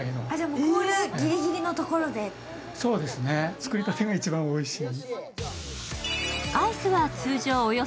作りたてが一番おいしい。